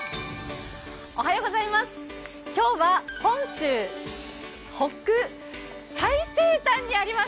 今日は本州最北西端にあります